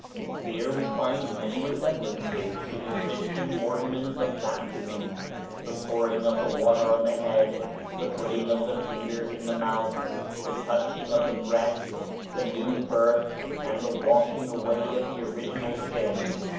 Here we find many resemblances to the Christian ordinance of baptism: the pouring of the water on the head, the putting of the fingers in the mouth, the touching of the breast, the new birth, and the washing away of the original sin.